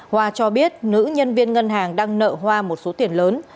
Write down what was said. hoa cho biết nữ nhân viên ngân hàng đang nợ hoa một số tiền lớn